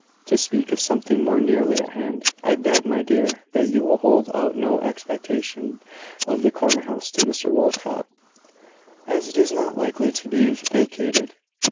"To speak of something more nearly at hand, I beg, my dear, that you will hold out no expectation of the corner house to Mr Walcot, as it is not likely to be vacated."